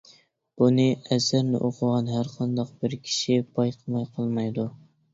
بۇنى ئەسەرنى ئوقۇغان ھەرقانداق بىر كىشى بايقىماي قالمايدۇ.